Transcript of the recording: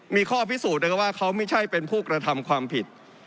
มีข้อพิสูจน์นะครับว่าเขาไม่ใช่เป็นผู้กระทำความผิด